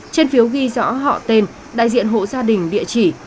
trên phiếu ghi rõ họ tên đại diện hộ gia đình địa chỉ